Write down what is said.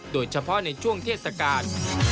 โดยเฉพาะในช่วงเทศกาล